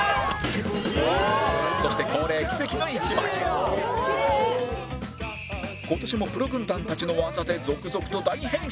そして今年もプロ軍団たちの技で続々と大変身